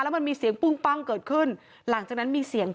มันมีเสียงปุ้งปั้งเกิดขึ้นหลังจากนั้นมีเสียง